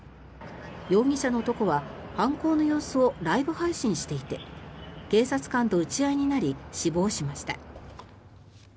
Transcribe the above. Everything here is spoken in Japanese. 容疑者の男は犯行の様子をライブ配信していて警察官と撃ち合いになり死亡しました。